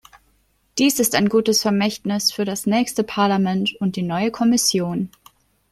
Dies ist ein gutes Vermächtnis für das nächste Parlament und die neue Kommission.